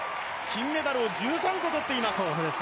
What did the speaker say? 金メダルを１３個取っています。